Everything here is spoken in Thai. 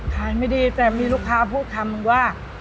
ไม่ดีแต่มีลูกค้าพูดคำนึงว่า